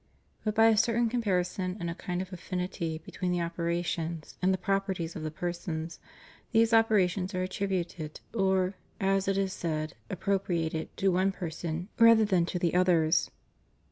' But by a certain comparison, and a kind of affinity between the operations and the properties of the persons, these operations are attributed or, as it is said, "appropriated" to one person rather than to the others.